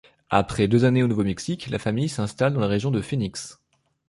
Après deux années au Nouveau-Mexique, la famille s'installe dans la région de Phoenix.